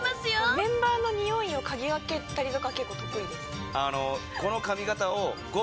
メンバーの匂いを嗅ぎ分けたりとかは結構得意です。